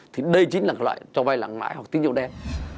thì đây chính là loại cho vay lặng mãi hoặc tín dụng đen